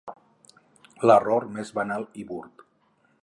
L'error més banal i burd.